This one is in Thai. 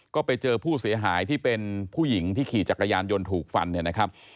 ก็ไปเจอผู้เสียหายที่เป็นผู้หญิงที่ขี่จักรยานยนต์ถูกฟันเนี่ยนะครับ